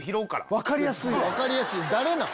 分かりやすいやん！